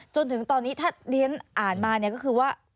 จนถึงตอนนี้ถ้าเรียนอ่านมาเนี่ยก็คือว่า